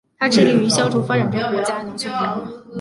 它致力于消除发展中国家的农村贫困。